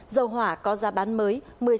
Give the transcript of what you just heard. dầu hỏa có giá bán mới